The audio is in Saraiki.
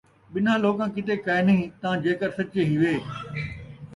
ٻِنھاں لوکاں کِیتے کائے نھیں، تاں جیکر سچّے ہیوے،